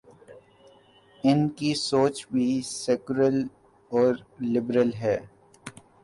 ان کی سوچ بھی سیکولر اور لبرل ہے۔